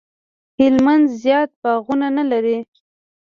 هلمند زیات باغونه نه لري